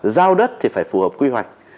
giao đất thì phải phù hợp quy hoạch